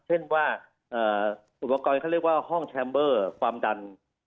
เช่นว่าอุปกรณ์เขาเรียกว่าห้องแชมเบอร์ความดัน